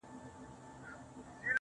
په يوه لاره کي پنډت بل کي مُلا وينم_